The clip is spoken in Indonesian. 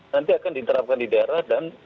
nanti akan diterapkan di daerah dan